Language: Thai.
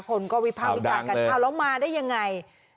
คนก็วิภาควิจารณ์แล้วบอกว่าเรามาได้ยังไง